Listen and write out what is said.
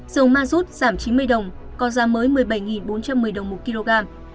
dầu ma rút giảm chín mươi đồng có giá mới một mươi bảy bốn trăm một mươi đồng một kg